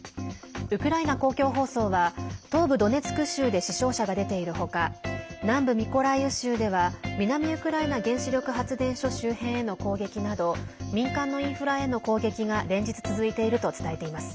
ウクライナ公共放送は東部ドネツク州で死傷者が出ている他南部ミコライウ州では南ウクライナ原子力発電所周辺への攻撃など民間のインフラへの攻撃が連日続いていると伝えています。